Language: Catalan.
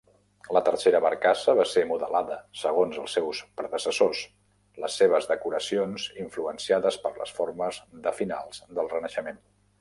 La tercera barcassa va ser modelada segons els seus predecessors, les seves decoracions influenciades per les formes de finals del Renaixement.